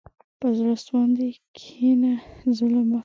په زړه سواندي کښېنه، ظلم مه کوه.